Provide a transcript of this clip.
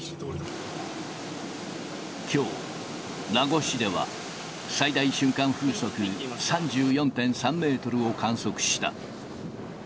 きょう、名護市では、最大瞬間風速３４．３メートルを観測した。